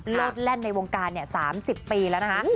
เลิศแร่นในวงการ๓๐ปีแล้ว